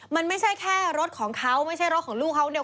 มันไม่ใช่แค่รถของเขาไม่ใช่รถของลูกเขาเนี่ย